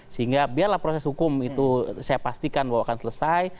sehingga biarlah proses hukum itu saya pastikan bahwa akan selesai